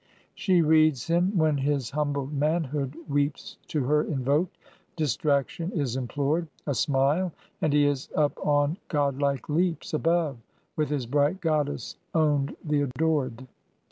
She reads him when his humbled manhood weeps To her invoked: distraction is implored. A smile, and he is up on godlike leaps Above, with his bright Goddess owned the adored.